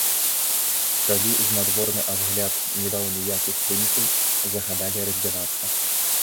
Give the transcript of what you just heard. Калі знадворны абгляд не даў ніякіх вынікаў, загадалі раздзявацца.